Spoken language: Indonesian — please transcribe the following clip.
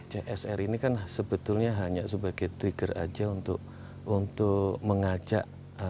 csr ini kan sebetulnya hanya sebagai trigger aja untuk mengajak